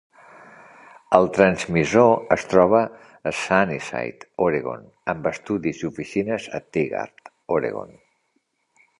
El transmissor es troba a Sunnyside, Oregon, amb estudis i oficines a Tigard, Oregon.